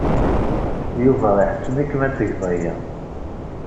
Yuba iḥettem-ikem ad tged aya.